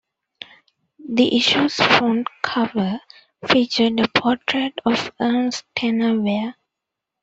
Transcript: The issue's front cover featured a portrait of Ernest Tener Weir.